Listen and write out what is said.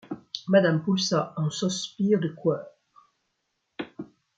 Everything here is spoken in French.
Madame poulsa ung sospir de cueur !